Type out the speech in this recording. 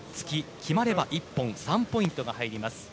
決まれば一本３ポイントが入ります。